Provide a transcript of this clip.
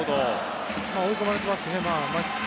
追い込まれてますしね。